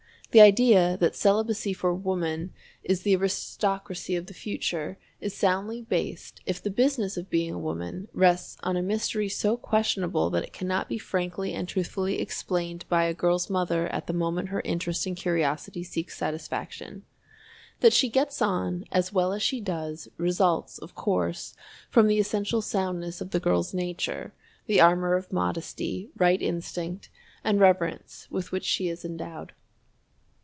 The idea that celibacy for woman is "the aristocracy of the future" is soundly based if the Business of Being a Woman rests on a mystery so questionable that it cannot be frankly and truthfully explained by a girl's mother at the moment her interest and curiosity seeks satisfaction. That she gets on as well as she does, results, of course, from the essential soundness of the girl's nature, the armor of modesty, right instinct, and reverence with which she is endowed.